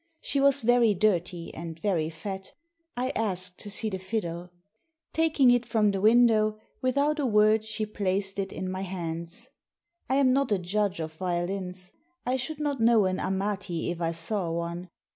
She was very dirty and very fat I asked to see the fiddle. Taking it from the window, without a word she placed it in my hands. I am not a judge of violins. I should not know an Amati if I saw one.